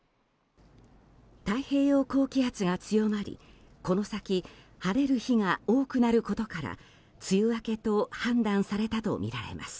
太平洋高気圧が強まりこの先、晴れる日が多いことから梅雨明けと判断されたとみられます。